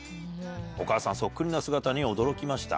お母さんそっくりな姿に驚きました。